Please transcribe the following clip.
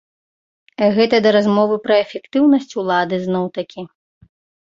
Гэта да размовы пра эфектыўнасць улады зноў-такі.